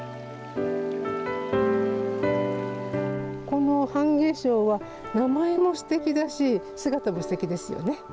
このハンゲショウは名前もすてきだし姿もすてきですよね。